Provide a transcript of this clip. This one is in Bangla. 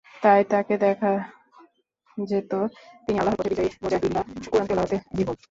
তাই তাকে দেখা যেত, তিনি আল্লাহর পথে বিজয়ী মুজাহিদ বা কুরআন তিলাওয়াতে বিভোর।